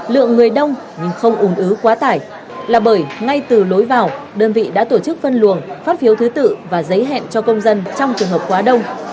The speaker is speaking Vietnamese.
lượng người đông nhưng không ủn ứ quá tải là bởi ngay từ lối vào đơn vị đã tổ chức phân luồng phát phiếu thứ tự và giấy hẹn cho công dân trong trường hợp quá đông